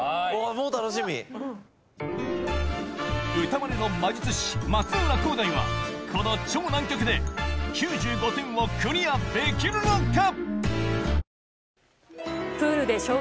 歌マネの魔術師松浦航大はこの超難曲で９５点をクリアできるのか？